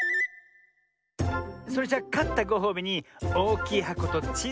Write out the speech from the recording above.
それじゃかったごほうびにおおきいはことちいさいはこ